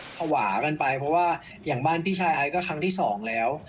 ภาวะกันไปเพราะว่าอย่างบ้านพี่ชายไอซ์ก็ครั้งที่สองแล้ว